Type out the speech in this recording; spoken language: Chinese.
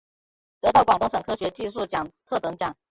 得到广东省科学技术奖特等奖。